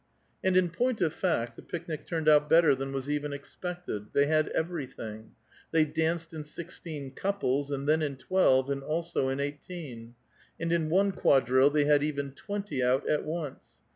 And, in point of fact, the picnic turned out better than y^s even expected. They had everything. They danced ^^ sixteen couples, and then in twelve, and also in eighteen ; SJJ^ in one quadrille they had even twenty out at once.